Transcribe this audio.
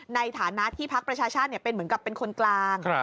ในฐานะที่พักประชาชาติเป็นเหมือนกับเป็นคนกลาง